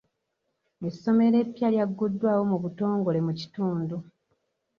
Essomero eppya lyagguddwawo mu butongole mu kitundu.